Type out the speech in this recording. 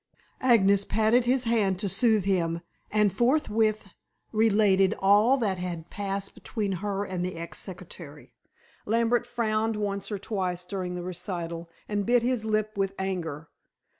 Agnes patted his hand to soothe him, and forthwith related all that had passed between her and the ex secretary. Lambert frowned once or twice during the recital, and bit his lip with anger.